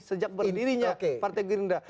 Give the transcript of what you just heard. sejak berdirinya partai gerindra